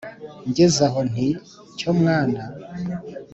ngeze aho nti: cyo mwana